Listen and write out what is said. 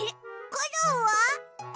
コロンは。